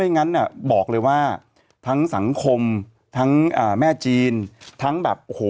งั้นน่ะบอกเลยว่าทั้งสังคมทั้งแม่จีนทั้งแบบโอ้โห